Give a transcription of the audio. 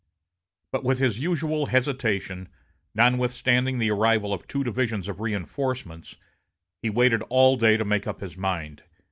But with his usual hesitation, notwithstanding the arrival of two divisions of reinforcements, he waited all day to make up his mind.